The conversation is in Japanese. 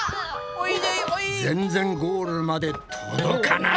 全然ゴールまで届かない！